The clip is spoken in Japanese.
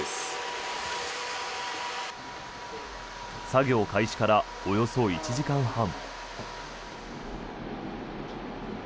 作業開始からおよそ１時間半。